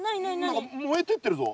何か燃えてってるぞ。